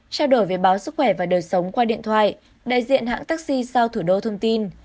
trao đổi về báo sức khỏe và đời sống qua điện thoại đại diện hãng taxi sao thủ đô thông tin